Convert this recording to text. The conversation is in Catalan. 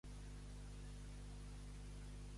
Les estones que no alletava, què feia en Peret?